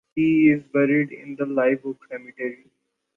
He is buried in the Live Oak Cemetery.